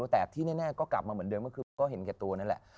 แต่ที่แน่ก็กลับมาเหมือนเดิมก็คือผมก็เห็นแก่ตัวนั่นแหละ